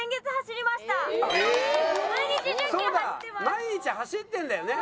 毎日走ってるんだよね。